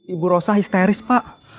ibu rosa histeris pak